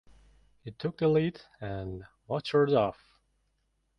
He took the lead and motored off.